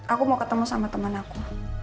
aku mau ketemu sama teman aku